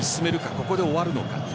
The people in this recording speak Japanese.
ここで終わるのか。